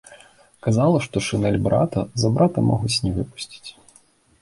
Казала, што шынель брата, за брата могуць не выпусціць.